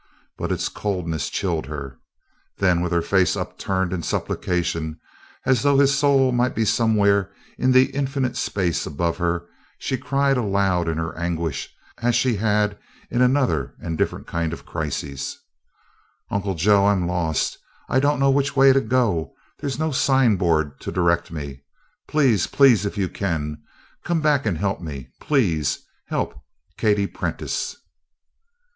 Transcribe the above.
But its coldness chilled her. Then, with her face upturned in supplication, as though his soul might be somewhere in the infinite space above her, she cried aloud in her anguish as she had in another and different kind of crisis: "Uncle Joe, I'm lost! I don't know which way to go there's no signboard to direct me. Please, please, if you can, come back and help me please help Katie Prentice!"